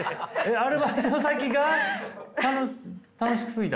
アルバイト先が楽しすぎた？